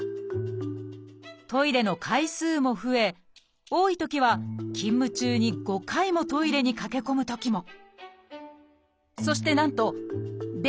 トイレの回数も増え多いときは勤務中に５回もトイレに駆け込むときも。